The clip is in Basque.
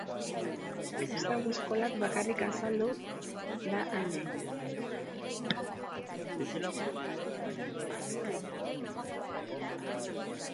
Kristau Eskolak bakarrik azaldu da alde.